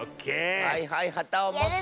はいはいはたをもって。